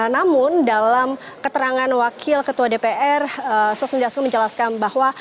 namun dalam keterangan wakil ketua dpr sofni dasko menjelaskan bahwa